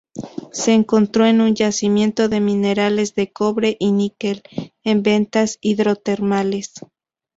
Se encontró en un yacimiento de minerales del cobre y níquel, en vetas hidrotermales.